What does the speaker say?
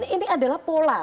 ini adalah pola